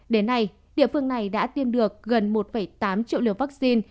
đến nay địa phương này đã tiêm được gần một tám triệu liều vaccine